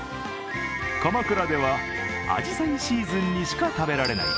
鎌倉ではあじさいシーズンにしか食べられない